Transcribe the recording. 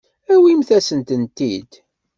Awimt-asent-tent-id.